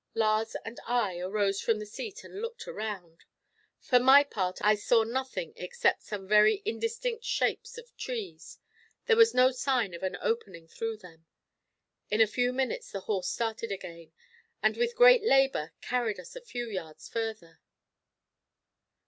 Lars and I arose from the seat and looked around. For my part, I saw nothing except some very indistinct shapes of trees; there was no sign of an opening through them. In a few minutes the horse started again, and with great labour carried us a few yards farther.